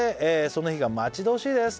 「その日が待ち遠しいです」